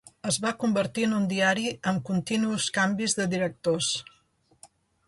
Es va convertir en un diari amb continus canvis de directors.